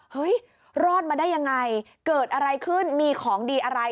เฮ้ยรอดมาได้ยังไงเกิดอะไรขึ้นมีของดีอะไร